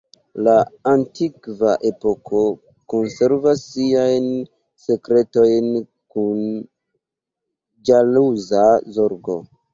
La antikva epoko konservas siajn sekretojn kun ĵaluza zorgo.